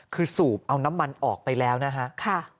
คือสูบเอาน้ำมันออกไปแล้วนะฮะ